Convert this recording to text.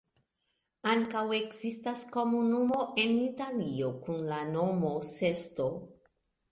Ankaŭ ekzistas komunumo en Italio kun la nomo Sesto.